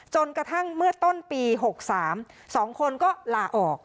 จนกระทั่งเมื่อต้นปีหกสามสองคนก็ลาออก